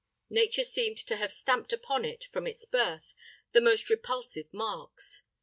Nature seemed to have stamped upon it, from its birth, the most repulsive marks.